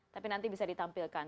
tapi nanti bisa ditampilkan